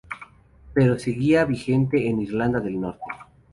Pero seguía vigente en Irlanda del Norte.